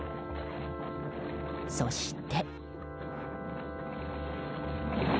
そして。